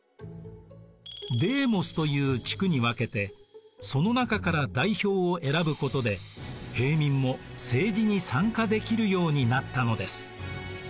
「デーモス」という地区に分けてその中から代表を選ぶことで平民も政治に参加できるようになったのです。